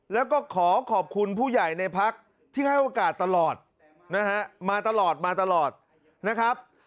แล้วก็ขอขอบคุณผู้ใหญ่ในพลักษณ์ที่ให้โอกาสตลอดมาตลอดนะครับ